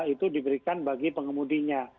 itu diberikan bagi pengemudinya